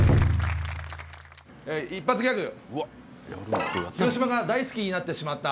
一発ギャグ。